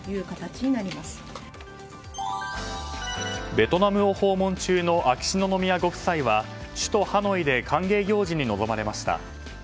ベトナムを訪問中の秋篠宮ご夫妻は首都ハノイで歓迎行事に臨まれました。